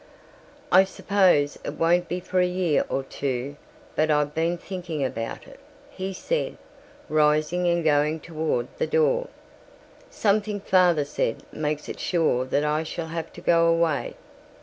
"I suppose it won't be for a year or two but I've been thinking about it," he said, rising and going toward the door. "Something father said makes it sure that I shall have to go away."